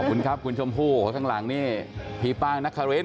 คุณครับคุณชมพู่ข้างหลังนี่พี่ป้างนคริน